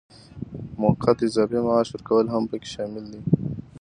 موقت اضافي معاش ورکول هم پکې شامل دي.